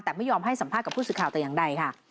แต่ไม่ยอมให้สัมภาษณ์กับผู้สื่อข่าวแต่อย่างใดค่ะ